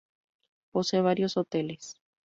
Posee varios hoteles.